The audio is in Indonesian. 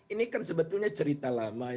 ini kan sebetulnya cerita lama